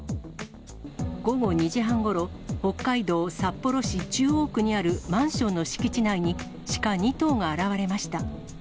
午後２時半ごろ、北海道札幌市中央区にあるマンションの敷地内に、シカ２頭が現れました。